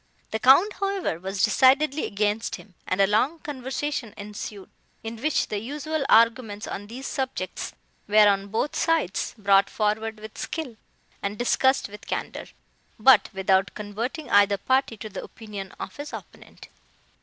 The Count, however, was decidedly against him, and a long conversation ensued, in which the usual arguments on these subjects were on both sides brought forward with skill, and discussed with candour, but without converting either party to the opinion of his opponent.